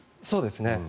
そうですね。